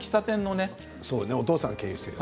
お父さんが経営している。